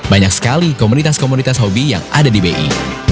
banyak sekali komunitas komunitas hobi yang ada di bi